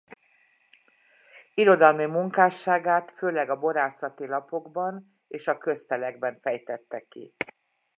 Irodalmi munkásságát főleg a Borászati Lapokban és a Köztelekben fejtette ki.